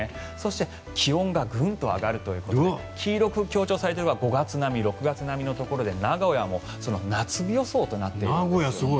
そして気温がグンと上がるということで黄色く強調されているのが５月並み６月並みというところで名古屋は夏日予想となっています。